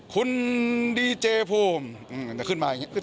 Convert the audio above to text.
คุณดีเจภูมิอืมเดี๋ยวขึ้นมาอย่างเงี้ย